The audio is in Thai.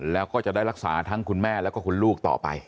แล้วก็จะได้รักษาทั้งคุณแม่แล้วก็คุณลูกต่อไป